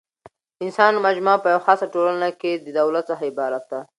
د انسانانو مجموعه په یوه خاصه ټولنه کښي د دولت څخه عبارت ده.